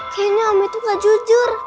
kini om itu gak jujur